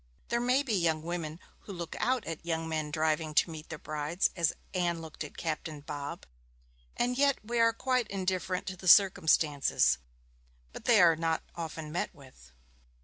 There may be young women who look out at young men driving to meet their brides as Anne looked at Captain Bob, and yet are quite indifferent to the circumstances; but they are not often met with.